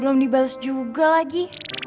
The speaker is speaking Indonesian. belom dibalas juga lagi